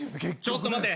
ちょっと待て。